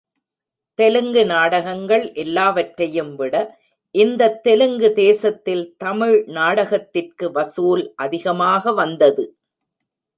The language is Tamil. தெலுங்கு நாடகங்கள் எல்லாவற்றையும் விட, இந்தத் தெலுங்கு தேசத்தில் தமிழ் நாடகத்திற்கு வசூல் அதிகமாக வந்தது!